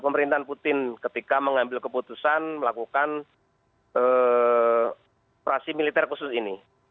pemerintahan putin ketika mengambil keputusan melakukan operasi militer khusus ini